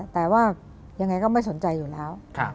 แต่ว่ายังไงก็ไม่สนใจอยู่แล้ว